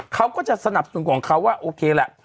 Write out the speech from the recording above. เขาก็จะสนับสนุนของเขาว่าโอเคแหละ